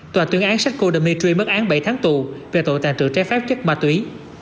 tòa tuyên án seko dimitri mất án bảy tháng tù về tội tàn trữ trái phép chất ma túy